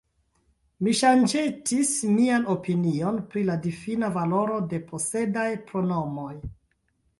Mi ŝanĝetis mian opinion pri la difina valoro de posedaj pronomoj.